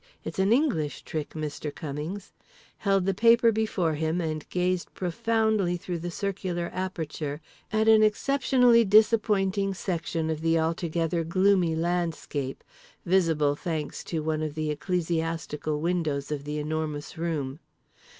It's an English trick, Mr. Cummings," held the paper before him and gazed profoundly through the circular aperture at an exceptionally disappointing section of the altogether gloomy landscape, visible thanks to one of the ecclesiastical windows of The Enormous Room.